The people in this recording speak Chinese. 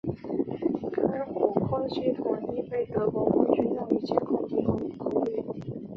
该火控系统亦被德国空军用于监控低空空域。